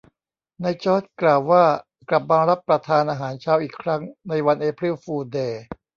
นายจอร์จกล่าวว่ากลับมารับประทานอาหารเช้าอีกครั้งในวันเอพริลฟูลเดย์